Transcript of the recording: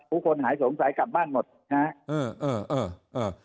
ทุกคนหายสงสัยกลับบ้านหมดนะฮะเออเออเออเออ